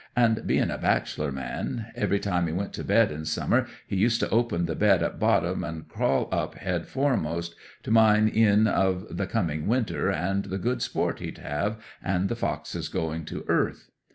And—being a bachelor man—every time he went to bed in summer he used to open the bed at bottom and crawl up head foremost, to mind 'em of the coming winter and the good sport he'd have, and the foxes going to earth.